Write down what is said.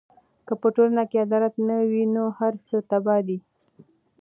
که په ټولنه کې عدالت نه وي، نو هر څه تباه دي.